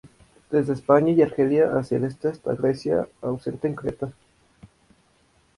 Desde España y Argelia hacia el este hasta Grecia; ausente en Creta.